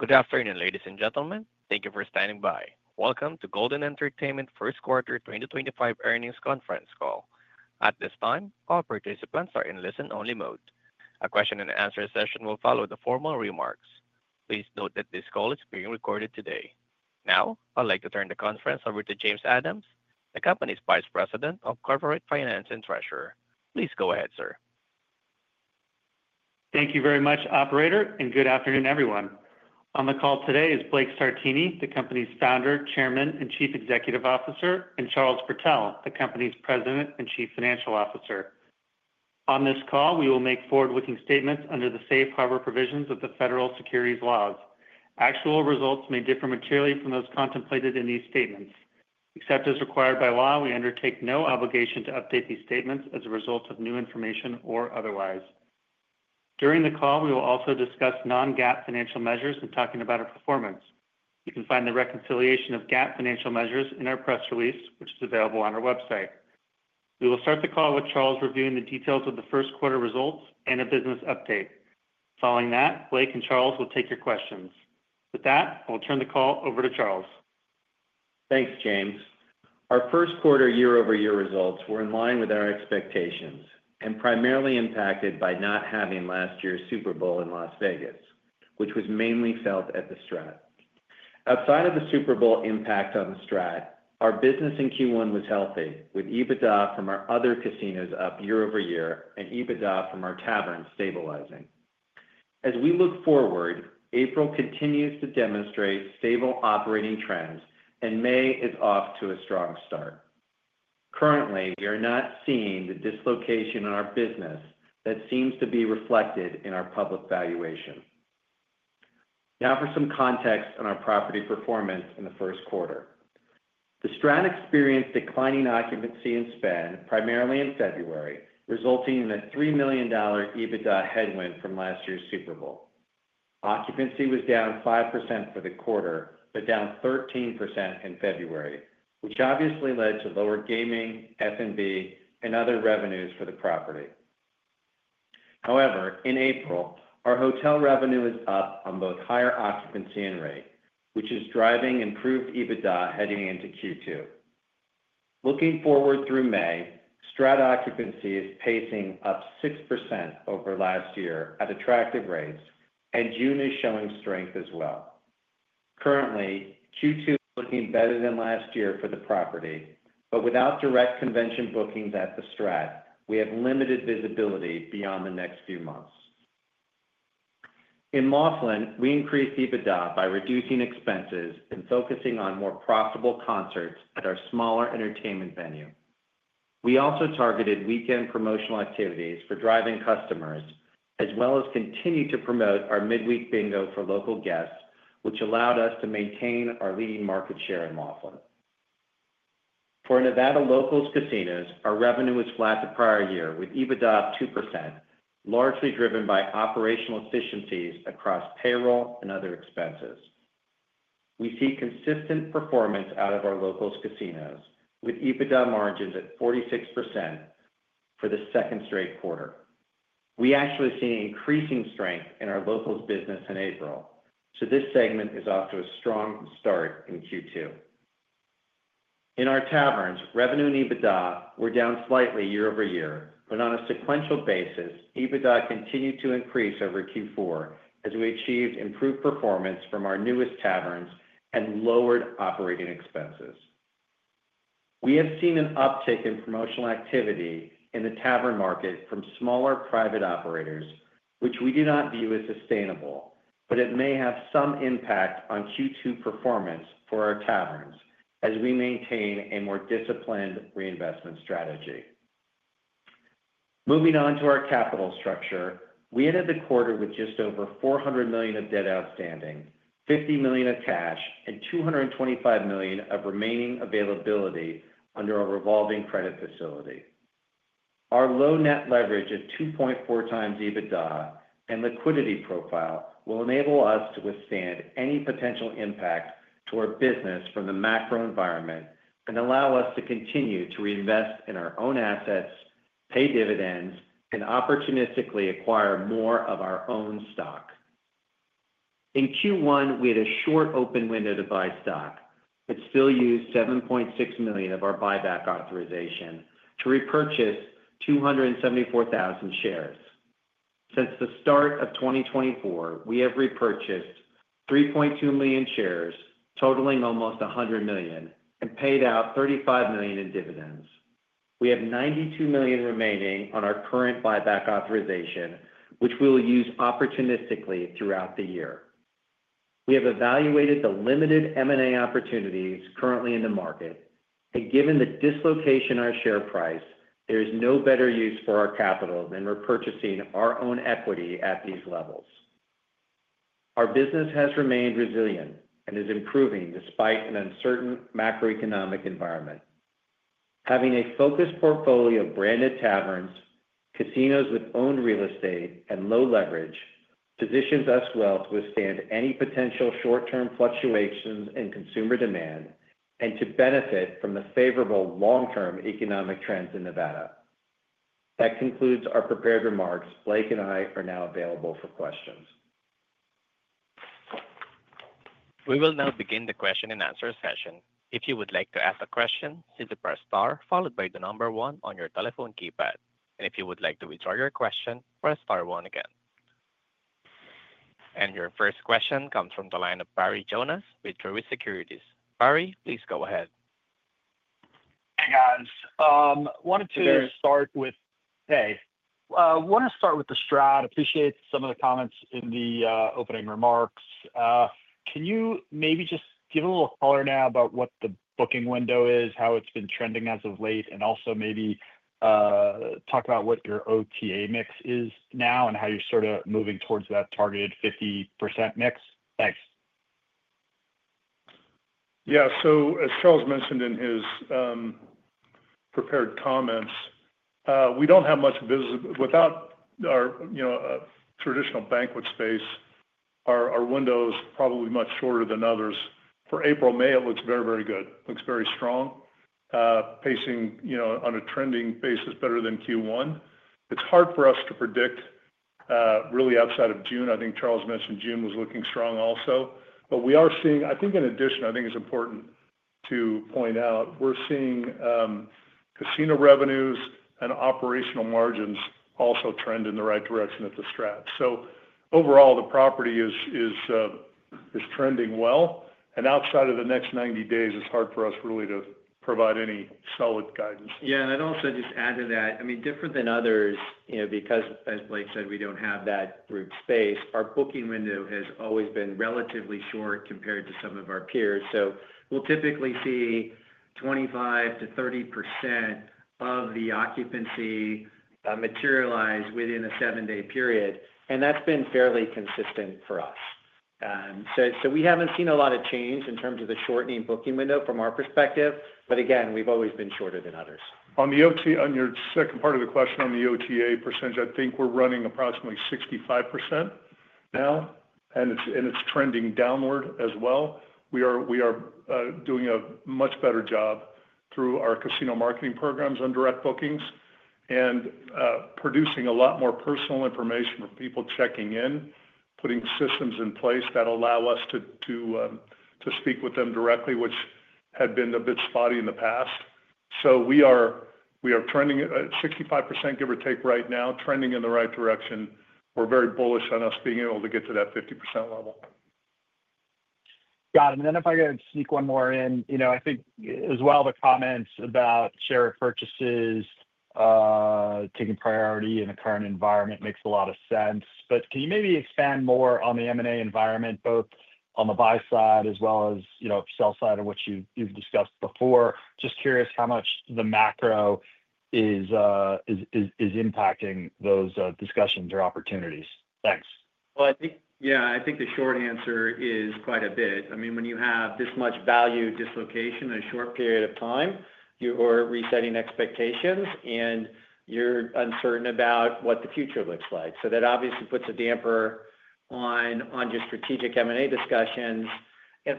Good afternoon, ladies and gentlemen. Thank you for standing by. Welcome to Golden Entertainment's First Quarter 2025 Earnings Conference Call. At this time, all participants are in listen-only mode. A question-and-answer session will follow the formal remarks. Please note that this call is being recorded today. Now, I'd like to turn the conference over to James Adams, the company's Vice President of Corporate Finance and Treasurer. Please go ahead, sir. Thank you very much, Operator, and good afternoon, everyone. On the call today is Blake Sartini, the company's Founder, Chairman, and Chief Executive Officer, and Charles Protell, the company's President and Chief Financial Officer. On this call, we will make forward-looking statements under the safe harbor provisions of the federal securities laws. Actual results may differ materially from those contemplated in these statements. Except as required by law, we undertake no obligation to update these statements as a result of new information or otherwise. During the call, we will also discuss non-GAAP financial measures and talking about our performance. You can find the reconciliation of GAAP financial measures in our press release, which is available on our website. We will start the call with Charles reviewing the details of the first quarter results and a business update. Following that, Blake and Charles will take your questions. With that, I will turn the call over to Charles. Thanks, James. Our first quarter year-over-year results were in line with our expectations and primarily impacted by not having last year's Super Bowl in Las Vegas, which was mainly felt at The STRAT. Outside of the Super Bowl impact on STRAT, our business in Q1 was healthy, with EBITDA from our other casinos up year-over-year and EBITDA from our taverns stabilizing. As we look forward, April continues to demonstrate stable operating trends, and May is off to a strong start. Currently, we are not seeing the dislocation in our business that seems to be reflected in our public valuation. Now for some context on our property performance in the first quarter. The STRAT experienced declining occupancy and spend, primarily in February, resulting in a $3 million EBITDA headwind from last year's Super Bowl. Occupancy was down 5% for the quarter, but down 13% in February, which obviously led to lower gaming, F&B, and other revenues for the property. However, in April, our hotel revenue is up on both higher occupancy and rate, which is driving improved EBITDA heading into Q2. Looking forward through May, STRAT occupancy is pacing up 6% over last year at attractive rates, and June is showing strength as well. Currently, Q2 is looking better than last year for the property, but without direct convention bookings at The STRAT, we have limited visibility beyond the next few months. In Laughlin, we increased EBITDA by reducing expenses and focusing on more profitable concerts at our smaller entertainment venue. We also targeted weekend promotional activities for driving customers, as well as continued to promote our midweek bingo for local guests, which allowed us to maintain our leading market share in Laughlin. For Nevada Locals Casinos, our revenue was flat the prior year, with EBITDA up 2%, largely driven by operational efficiencies across payroll and other expenses. We see consistent performance out of our Locals Casinos, with EBITDA margins at 46% for the second straight quarter. We actually see increasing strength in our Locals business in April, so this segment is off to a strong start in Q2. In our taverns, revenue and EBITDA were down slightly year-over-year, but on a sequential basis, EBITDA continued to increase over Q4 as we achieved improved performance from our newest taverns and lowered operating expenses. We have seen an uptick in promotional activity in the tavern market from smaller private operators, which we do not view as sustainable, but it may have some impact on Q2 performance for our taverns as we maintain a more disciplined reinvestment strategy. Moving on to our capital structure, we ended the quarter with just over $400 million of debt outstanding, $50 million of cash, and $225 million of remaining availability under a revolving credit facility. Our low net leverage at 2.4x EBITDA and liquidity profile will enable us to withstand any potential impact to our business from the macro environment and allow us to continue to reinvest in our own assets, pay dividends, and opportunistically acquire more of our own stock. In Q1, we had a short open window to buy stock, but still used $7.6 million of our buyback authorization to repurchase 274,000 shares. Since the start of 2024, we have repurchased 3.2 million shares, totaling almost $100 million, and paid out $35 million in dividends. We have $92 million remaining on our current buyback authorization, which we will use opportunistically throughout the year. We have evaluated the limited M&A opportunities currently in the market, and given the dislocation in our share price, there is no better use for our capital than repurchasing our own equity at these levels. Our business has remained resilient and is improving despite an uncertain macroeconomic environment. Having a focused portfolio of branded taverns, casinos with owned real estate, and low leverage positions us well to withstand any potential short-term fluctuations in consumer demand and to benefit from the favorable long-term economic trends in Nevada. That concludes our prepared remarks. Blake and I are now available for questions. We will now begin the question-and-answer session. If you would like to ask a question, press star followed by the number one on your telephone keypad. If you would like to withdraw your question, press star one again. Your first question comes from the line of Barry Jonas with Truist Securities. Barry, please go ahead. Hey, guys. I wanted to start with—hey. I want to start with The STRAT. I appreciate some of the comments in the opening remarks. Can you maybe just give a little color now about what the booking window is, how it's been trending as of late, and also maybe talk about what your OTA mix is now and how you're sort of moving towards that targeted 50% mix? Thanks. Yeah. As Charles mentioned in his prepared comments, we do not have much—without our traditional banquet space, our window is probably much shorter than others. For April, May, it looks very, very good. It looks very strong, pacing on a trending basis better than Q1. It is hard for us to predict really outside of June. I think Charles mentioned June was looking strong also. We are seeing—I think an addition I think is important to point out—we are seeing casino revenues and operational margins also trend in the right direction at The STRAT. Overall, the property is trending well. Outside of the next 90 days, it is hard for us really to provide any solid guidance. Yeah. I'd also just add to that, I mean, different than others, because, as Blake said, we don't have that group space, our booking window has always been relatively short compared to some of our peers. We typically see 25%-30% of the occupancy materialize within a seven-day period. That's been fairly consistent for us. We haven't seen a lot of change in terms of the shortening booking window from our perspective. Again, we've always been shorter than others. On the OTA—on your second part of the question on the OTA percentage, I think we're running approximately 65% now, and it's trending downward as well. We are doing a much better job through our casino marketing programs on direct bookings and producing a lot more personal information for people checking in, putting systems in place that allow us to speak with them directly, which had been a bit spotty in the past. We are trending at 65%, give or take, right now, trending in the right direction. We're very bullish on us being able to get to that 50% level. Got it. If I could sneak one more in, I think as well, the comments about share purchases taking priority in the current environment makes a lot of sense. Can you maybe expand more on the M&A environment, both on the buy side as well as sell side, of which you've discussed before? Just curious how much the macro is impacting those discussions or opportunities. Thanks. I think, yeah, I think the short answer is quite a bit. I mean, when you have this much value dislocation in a short period of time, you're resetting expectations, and you're uncertain about what the future looks like. That obviously puts a damper on just strategic M&A discussions.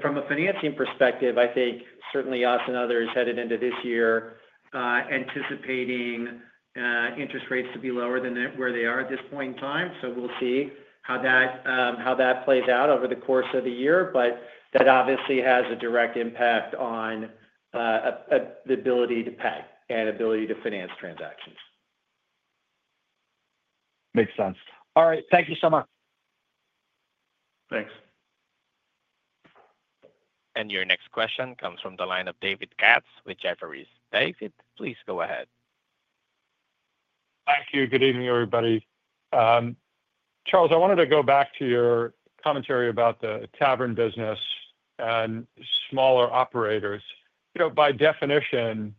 From a financing perspective, I think certainly us and others headed into this year anticipating interest rates to be lower than where they are at this point in time. We'll see how that plays out over the course of the year. That obviously has a direct impact on the ability to pay and ability to finance transactions. Makes sense. All right. Thank you so much. Thanks. Your next question comes from the line of David Katz with Jefferies. David, please go ahead. Thank you. Good evening, everybody. Charles, I wanted to go back to your commentary about the tavern business and smaller operators. By definition,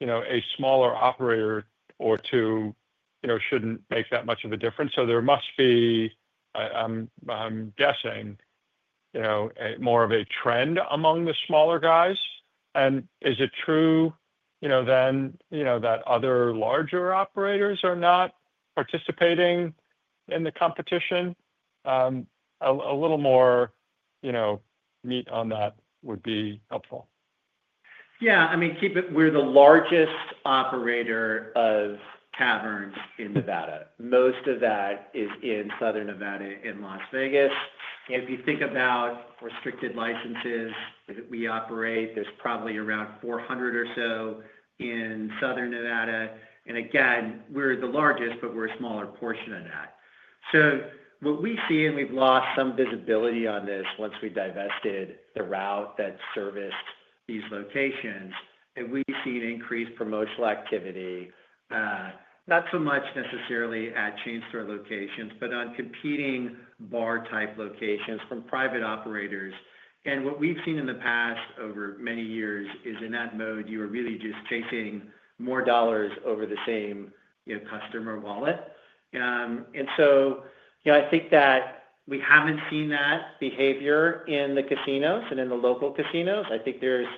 a smaller operator or two should not make that much of a difference. There must be, I am guessing, more of a trend among the smaller guys. Is it true then that other larger operators are not participating in the competition? A little more meat on that would be helpful. Yeah. I mean, keep it—we're the largest operator of taverns in Nevada. Most of that is in Southern Nevada and Las Vegas. If you think about restricted licenses that we operate, there's probably around 400 or so in Southern Nevada. Again, we're the largest, but we're a smaller portion of that. What we see—and we've lost some visibility on this once we divested the route that serviced these locations—and we've seen increased promotional activity, not so much necessarily at chain-store locations, but on competing bar-type locations from private operators. What we've seen in the past over many years is in that mode, you are really just chasing more dollars over the same customer wallet. I think that we haven't seen that behavior in the casinos and in the local casinos. I think there's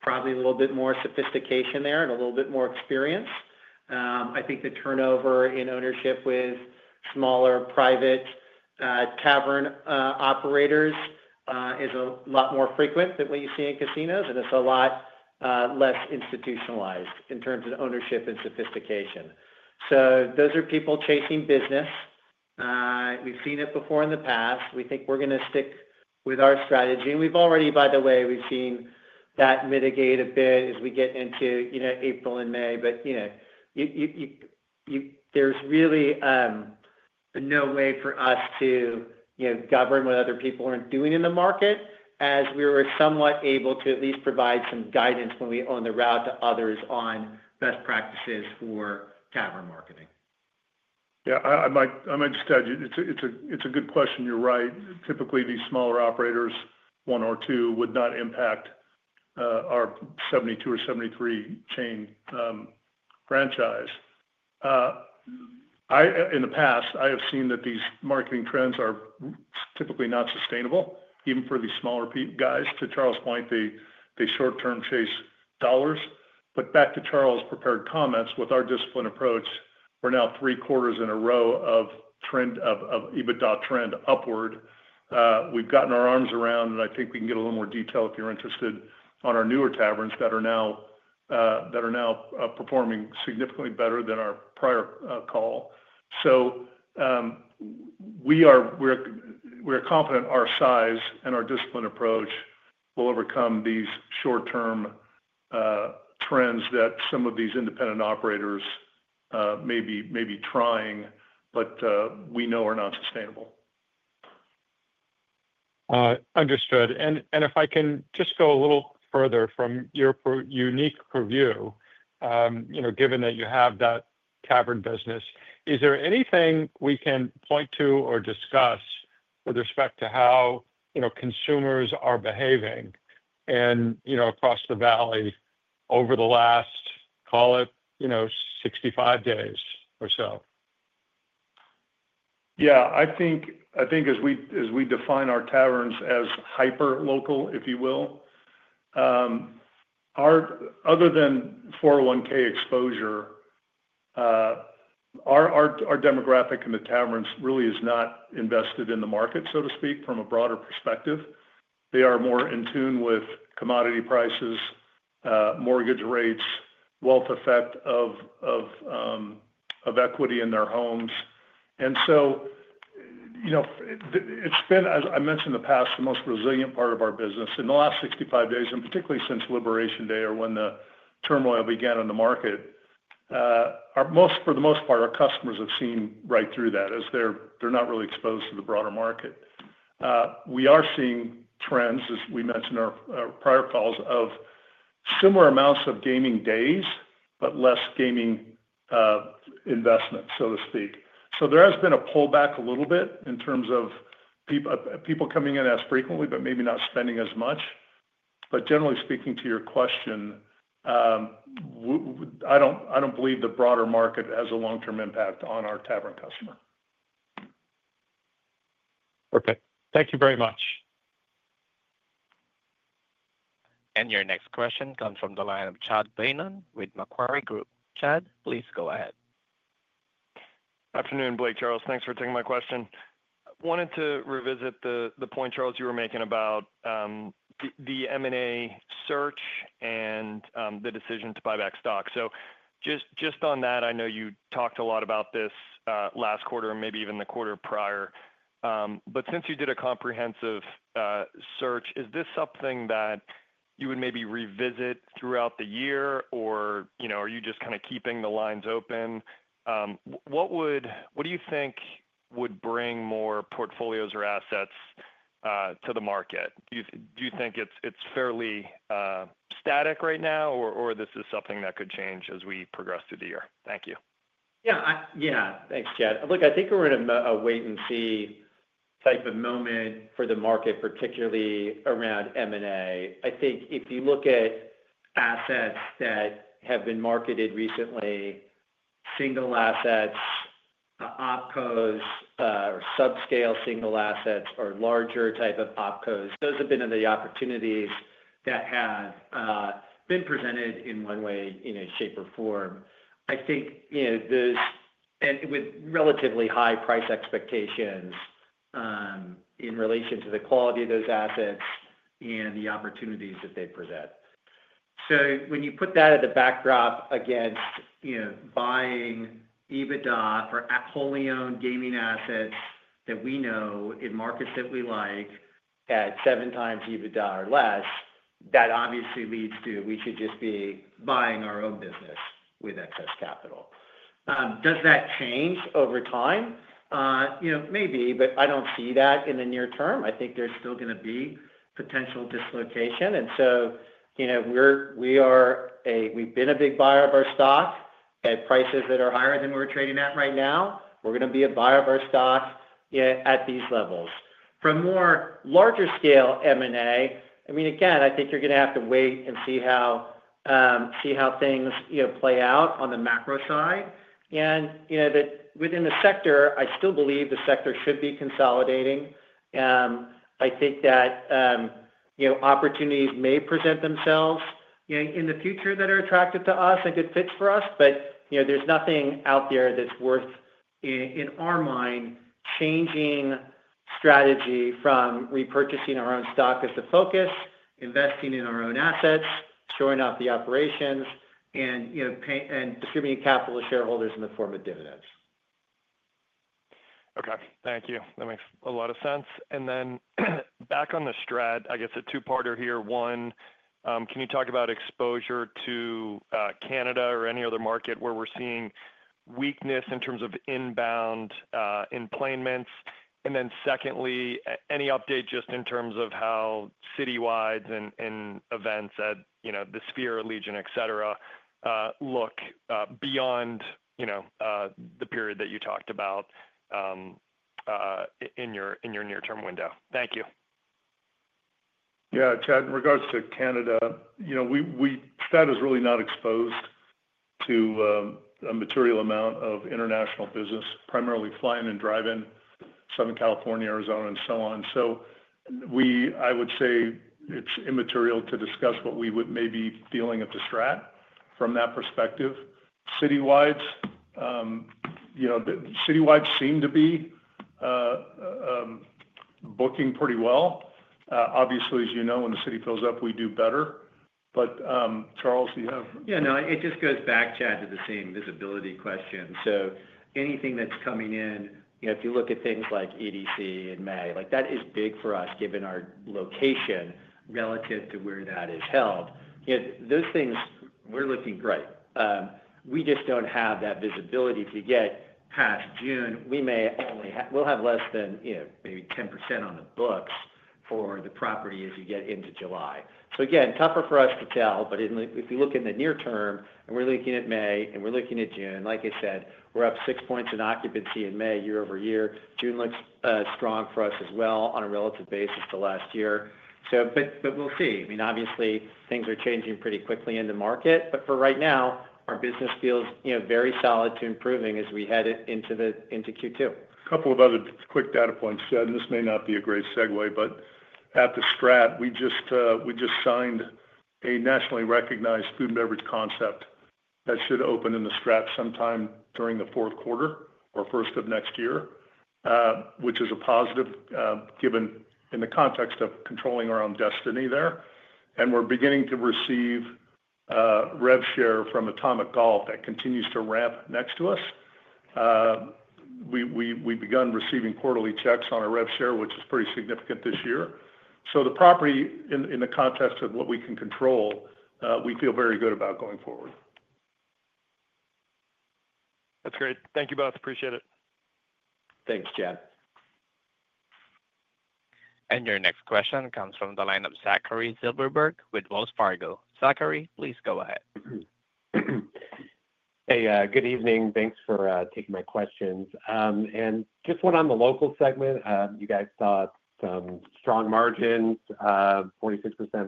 probably a little bit more sophistication there and a little bit more experience. I think the turnover in ownership with smaller private tavern operators is a lot more frequent than what you see in casinos. It is a lot less institutionalized in terms of ownership and sophistication. Those are people chasing business. We've seen it before in the past. We think we're going to stick with our strategy. We've already, by the way, seen that mitigate a bit as we get into April and May. There is really no way for us to govern what other people are not doing in the market, as we were somewhat able to at least provide some guidance when we owned the route to others on best practices for tavern marketing. Yeah. I might just add, it's a good question. You're right. Typically, these smaller operators, one or two, would not impact our 72 or 73 chain franchise. In the past, I have seen that these marketing trends are typically not sustainable, even for these smaller guys. To Charles' point, they short-term chase dollars. Back to Charles' prepared comments, with our discipline approach, we're now three quarters in a row of EBITDA trend upward. We've gotten our arms around, and I think we can get a little more detail, if you're interested, on our newer taverns that are now performing significantly better than our prior call. We are confident our size and our discipline approach will overcome these short-term trends that some of these independent operators may be trying, but we know are not sustainable. Understood. If I can just go a little further from your unique purview, given that you have that tavern business, is there anything we can point to or discuss with respect to how consumers are behaving across the valley over the last, call it, 65 days or so? Yeah. I think as we define our taverns as hyper-local, if you will, other than 401(k) exposure, our demographic in the taverns really is not invested in the market, so to speak, from a broader perspective. They are more in tune with commodity prices, mortgage rates, wealth effect of equity in their homes. It has been, as I mentioned in the past, the most resilient part of our business. In the last 65 days, and particularly since Liberation Day or when the turmoil began in the market, for the most part, our customers have seen right through that as they are not really exposed to the broader market. We are seeing trends, as we mentioned in our prior calls, of similar amounts of gaming days, but less gaming investment, so to speak. There has been a pullback a little bit in terms of people coming in as frequently, but maybe not spending as much. Generally speaking, to your question, I don't believe the broader market has a long-term impact on our tavern customer. Perfect. Thank you very much. Your next question comes from the line of Chad Beynon with Macquarie Group. Chad, please go ahead. Good afternoon, Blake, Charles. Thanks for taking my question. I wanted to revisit the point, Charles, you were making about the M&A search and the decision to buy back stock. Just on that, I know you talked a lot about this last quarter and maybe even the quarter prior. Since you did a comprehensive search, is this something that you would maybe revisit throughout the year, or are you just kind of keeping the lines open? What do you think would bring more portfolios or assets to the market? Do you think it's fairly static right now, or is this something that could change as we progress through the year? Thank you. Yeah. Yeah. Thanks, Chad. Look, I think we're in a wait-and-see type of moment for the market, particularly around M&A. I think if you look at assets that have been marketed recently, single assets, opcos, or subscale single assets, or larger type of opcos, those have been the opportunities that have been presented in one way, shape, or form. I think those, and with relatively high price expectations in relation to the quality of those assets and the opportunities that they present. When you put that as a backdrop against buying EBITDA for wholly-owned gaming assets that we know in markets that we like at seven times EBITDA or less, that obviously leads to we should just be buying our own business with excess capital. Does that change over time? Maybe, but I don't see that in the near term. I think there's still going to be potential dislocation. We are a—we've been a big buyer of our stock at prices that are higher than we're trading at right now. We're going to be a buyer of our stock at these levels. For more larger-scale M&A, I mean, again, I think you're going to have to wait and see how things play out on the macro side. Within the sector, I still believe the sector should be consolidating. I think that opportunities may present themselves in the future that are attractive to us and good fits for us. There is nothing out there that's worth, in our mind, changing strategy from repurchasing our own stock as the focus, investing in our own assets, showing off the operations, and distributing capital to shareholders in the form of dividends. Okay. Thank you. That makes a lot of sense. Then back on The STRAT, I guess a two-parter here. One, can you talk about exposure to Canada or any other market where we're seeing weakness in terms of inbound employments? Then secondly, any update just in terms of how citywides and events at the Sphere, Allegiant, etc., look beyond the period that you talked about in your near-term window? Thank you. Yeah. Chad, in regards to Canada, we—STRAT is really not exposed to a material amount of international business, primarily flying and driving, Southern California, Arizona, and so on. I would say it is immaterial to discuss what we would maybe be feeling at The STRAT from that perspective. Citywides, citywides seem to be booking pretty well. Obviously, as you know, when the city fills up, we do better. Charles, do you have? Yeah. No, it just goes back, Chad, to the same visibility question. So anything that's coming in, if you look at things like EDC in May, that is big for us given our location relative to where that is held. Those things, we're looking great. We just don't have that visibility to get past June. We'll have less than maybe 10% on the books for the property as you get into July. Again, tougher for us to tell. If you look in the near term, and we're looking at May, and we're looking at June, like I said, we're up six points in occupancy in May year-over-year. June looks strong for us as well on a relative basis to last year. We'll see. I mean, obviously, things are changing pretty quickly in the market. For right now, our business feels very solid to improving as we head into Q2. A couple of other quick data points, Chad. This may not be a great segue, but at The STRAT, we just signed a nationally recognized food and beverage concept that should open in The STRAT sometime during the fourth quarter or first of next year, which is a positive given in the context of controlling our own destiny there. We are beginning to receive rev share from Atomic Golf that continues to ramp next to us. We have begun receiving quarterly checks on our rev share, which is pretty significant this year. The property, in the context of what we can control, we feel very good about going forward. That's great. Thank you both. Appreciate it. Thanks, Chad. Your next question comes from the line of Zachary Silverberg with Wells Fargo. Zachary, please go ahead. Hey, good evening. Thanks for taking my questions. Just one on the local segment. You guys saw some strong margins, 46% for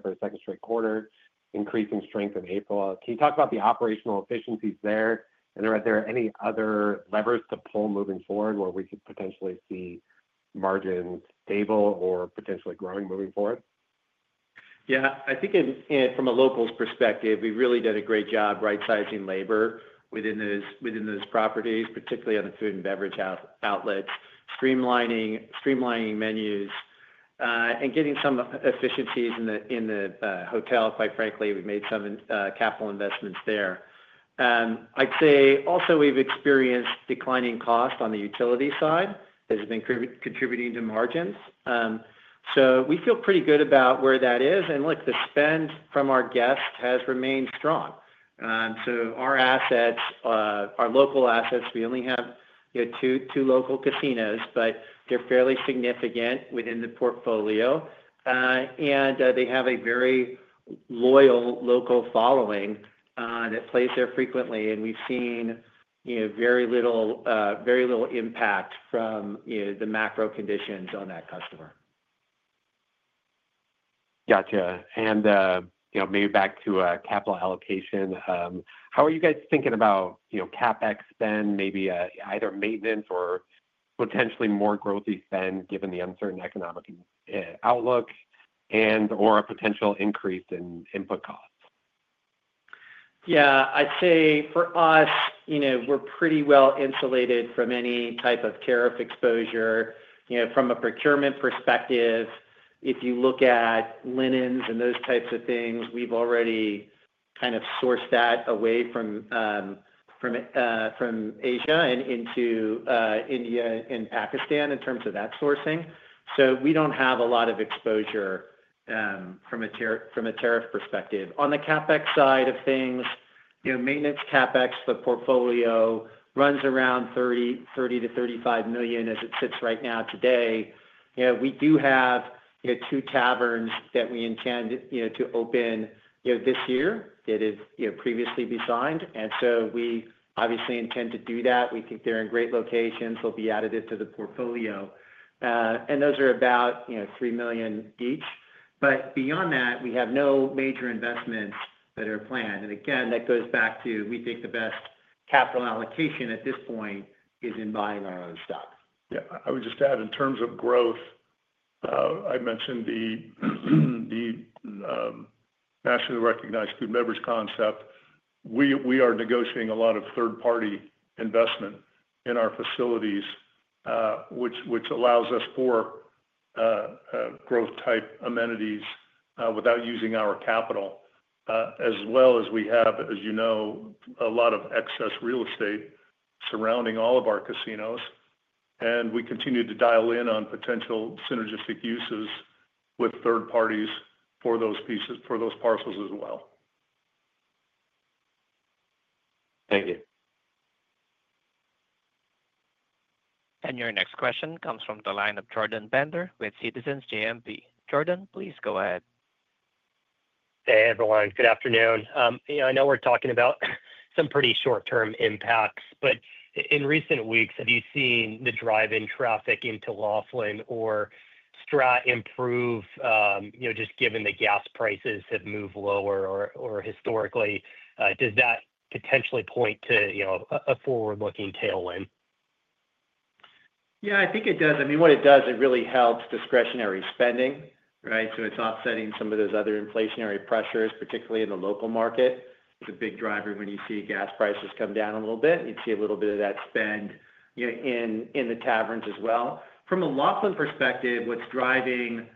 the second straight quarter, increasing strength in April. Can you talk about the operational efficiencies there? Are there any other levers to pull moving forward where we could potentially see margins stable or potentially growing moving forward? Yeah. I think from a local perspective, we really did a great job right-sizing labor within those properties, particularly on the food and beverage outlets, streamlining menus, and getting some efficiencies in the hotel. Quite frankly, we've made some capital investments there. I'd say also we've experienced declining costs on the utility side that have been contributing to margins. We feel pretty good about where that is. The spend from our guests has remained strong. Our assets, our local assets, we only have two local casinos, but they're fairly significant within the portfolio. They have a very loyal local following that plays there frequently. We've seen very little impact from the macro conditions on that customer. Gotcha. Maybe back to capital allocation, how are you guys thinking about CapEx spend, maybe either maintenance or potentially more growthy spend given the uncertain economic outlook and/or a potential increase in input costs? Yeah. I'd say for us, we're pretty well insulated from any type of tariff exposure. From a procurement perspective, if you look at linens and those types of things, we've already kind of sourced that away from Asia and into India and Pakistan in terms of that sourcing. So we don't have a lot of exposure from a tariff perspective. On the CapEx side of things, maintenance CapEx for portfolio runs around $30 million-$35 million as it sits right now today. We do have two taverns that we intend to open this year that have previously been signed. We obviously intend to do that. We think they're in great locations. They'll be added into the portfolio. Those are about $3 million each. Beyond that, we have no major investments that are planned. Again, that goes back to we think the best capital allocation at this point is in buying our own stock. Yeah. I would just add in terms of growth, I mentioned the nationally recognized food and beverage concept. We are negotiating a lot of third-party investment in our facilities, which allows us for growth-type amenities without using our capital, as well as we have, as you know, a lot of excess real estate surrounding all of our casinos. We continue to dial in on potential synergistic uses with third parties for those parcels as well. Thank you. Your next question comes from the line of Jordan Bender with Citizens JMB. Jordan, please go ahead. Hey, everyone. Good afternoon. I know we're talking about some pretty short-term impacts, but in recent weeks, have you seen the drive-in traffic into Laughlin or STRAT improve just given the gas prices have moved lower? Or historically, does that potentially point to a forward-looking tailwind? Yeah, I think it does. I mean, what it does, it really helps discretionary spending, right? It's offsetting some of those other inflationary pressures, particularly in the local market. It's a big driver when you see gas prices come down a little bit. You'd see a little bit of that spend in the taverns as well. From a Laughlin perspective, what's driving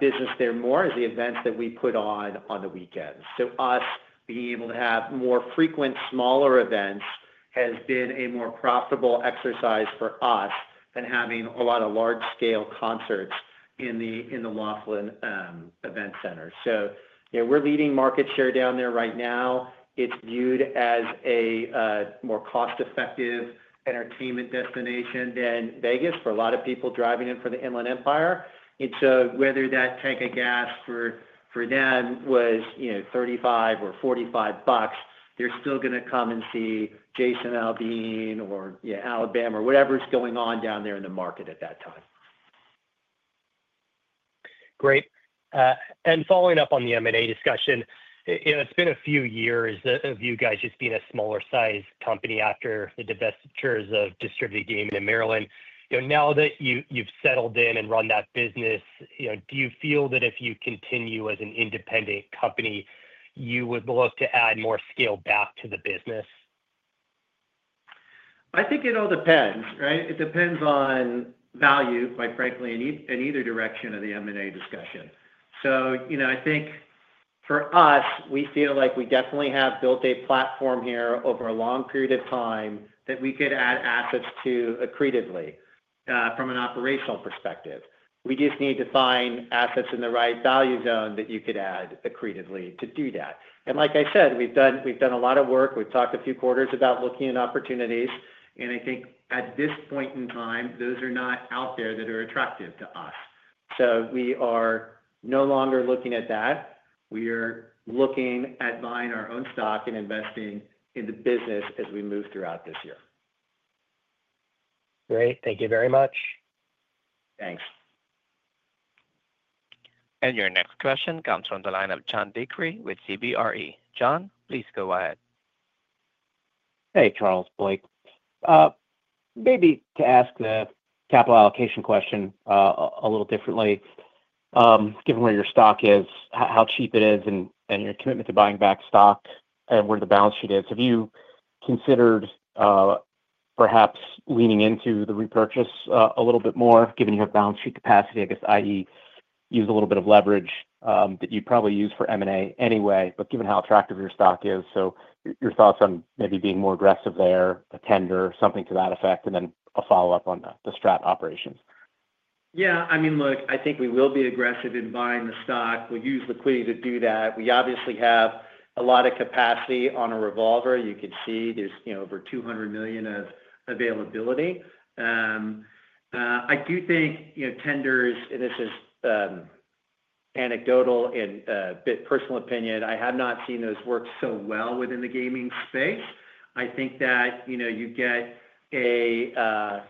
business there more is the events that we put on on the weekends. Us being able to have more frequent, smaller events has been a more profitable exercise for us than having a lot of large-scale concerts in the Laughlin event center. We're leading market share down there right now. It's viewed as a more cost-effective entertainment destination than Vegas for a lot of people driving in from the Inland Empire. Whether that tank of gas for them was $35 or $45, they're still going to come and see Jason Aldean or Alabama or whatever's going on down there in the market at that time. Great. Following up on the M&A discussion, it's been a few years of you guys just being a smaller-sized company after the divestitures of distributed gaming in Maryland. Now that you've settled in and run that business, do you feel that if you continue as an independent company, you would look to add more scale back to the business? I think it all depends, right? It depends on value, quite frankly, in either direction of the M&A discussion. I think for us, we feel like we definitely have built a platform here over a long period of time that we could add assets to accretively from an operational perspective. We just need to find assets in the right value zone that you could add accretively to do that. Like I said, we've done a lot of work. We've talked a few quarters about looking at opportunities. I think at this point in time, those are not out there that are attractive to us. We are no longer looking at that. We are looking at buying our own stock and investing in the business as we move throughout this year. Great. Thank you very much. Thanks. Your next question comes from the line of John DeCree with CBRE. John, please go ahead. Hey, Charles, Blake. Maybe to ask the capital allocation question a little differently. Given where your stock is, how cheap it is, and your commitment to buying back stock, and where the balance sheet is, have you considered perhaps leaning into the repurchase a little bit more given your balance sheet capacity, I guess, i.e., use a little bit of leverage that you probably use for M&A anyway, but given how attractive your stock is? Your thoughts on maybe being more aggressive there, a tender, something to that effect, and then a follow-up on the STRAT operations. Yeah. I mean, look, I think we will be aggressive in buying the stock. We'll use liquidity to do that. We obviously have a lot of capacity on a revolver. You can see there's over $200 million of availability. I do think tenders, and this is anecdotal and a bit personal opinion, I have not seen those work so well within the gaming space. I think that you get a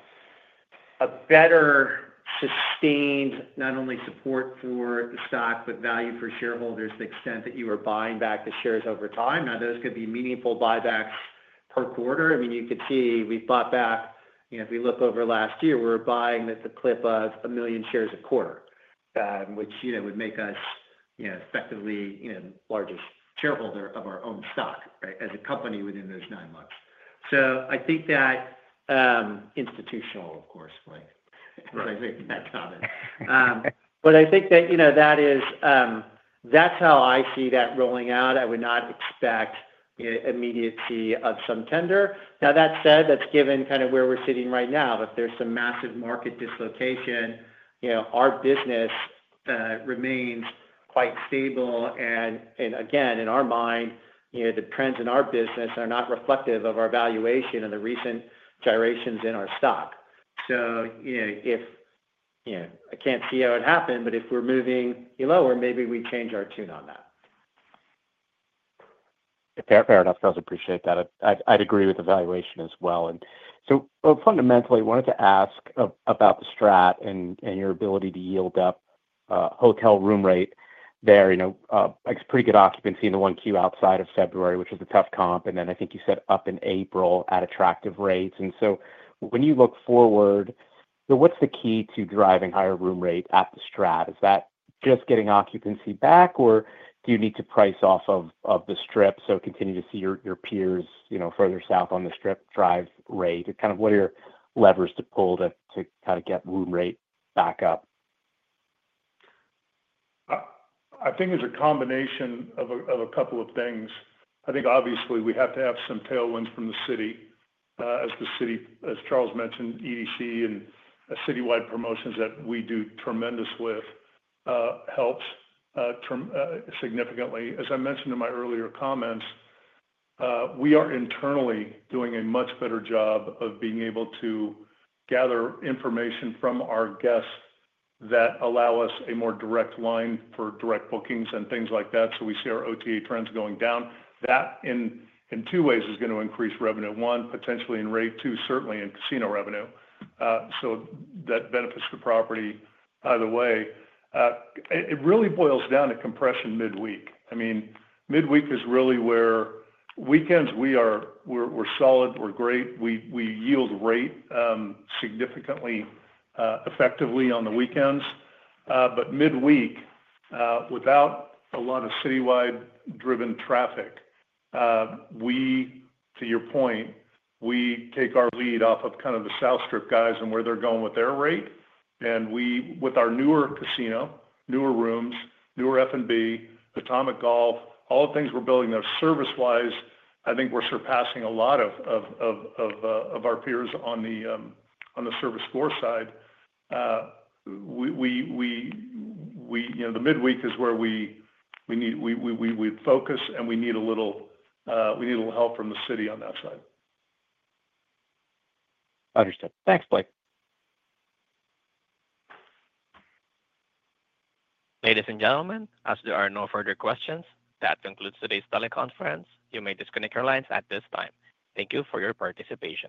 better sustained not only support for the stock, but value for shareholders to the extent that you are buying back the shares over time. Now, those could be meaningful buybacks per quarter. I mean, you could see we bought back, if we look over last year, we were buying at the clip of 1 million shares a quarter, which would make us effectively the largest shareholder of our own stock, right, as a company within those nine months. I think that institutional, of course, Blake. I think that's not it. I think that is how I see that rolling out. I would not expect immediacy of some tender. Now, that said, that's given kind of where we're sitting right now. If there's some massive market dislocation, our business remains quite stable. Again, in our mind, the trends in our business are not reflective of our valuation and the recent gyrations in our stock. I can't see how it happens, but if we're moving lower, maybe we change our tune on that. Fair enough, Charles. Appreciate that. I'd agree with the valuation as well. Fundamentally, I wanted to ask about The STRAT and your ability to yield up hotel room rate there. I guess pretty good occupancy in the one Q outside of February, which was a tough comp. I think you said up in April at attractive rates. When you look forward, what's the key to driving higher room rate at The STRAT? Is that just getting occupancy back, or do you need to price-off of the Strip? Continue to see your peers further south on the Strip drive rate. What are your levers to pull to kind of get room rate back up? I think it's a combination of a couple of things. I think obviously we have to have some tailwinds from the city as the city, as Charles mentioned, EDC and citywide promotions that we do tremendously helps significantly. As I mentioned in my earlier comments, we are internally doing a much better job of being able to gather information from our guests that allow us a more direct line for direct bookings and things like that. We see our OTA trends going down. That in two ways is going to increase revenue. One, potentially in rate. Two, certainly in casino revenue. That benefits the property either way. It really boils down to compression midweek. I mean, midweek is really where weekends we are solid. We're great. We yield rate significantly effectively on the weekends. Midweek, without a lot of citywide-driven traffic, to your point, we take our lead off of kind of the South Strip guys and where they're going with their rate. With our newer casino, newer rooms, newer F&B, Atomic Golf, all the things we're building there, service-wise, I think we're surpassing a lot of our peers on the service floor side. The midweek is where we focus and we need a little help from the city on that side. Understood. Thanks, Blake. Ladies and gentlemen, as there are no further questions, that concludes today's teleconference. You may disconnect your lines at this time. Thank you for your participation.